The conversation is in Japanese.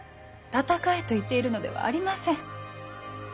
戦えと言っているのではありません。